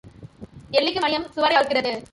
எலிக்கு மணியம், சுவரை அறுக்கிறது.